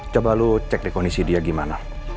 coba lo cek deh kondisi dia gimana